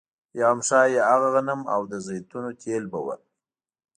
یا هم ښايي هغه غنم او د زیتونو تېل به وو